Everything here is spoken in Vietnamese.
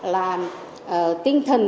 là tinh thần